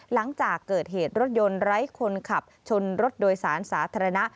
หลังจากเกิดเหตุรถยนต์ไร้คนขับชนรถโดยสารสาธารณะ